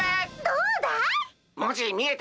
どうだい？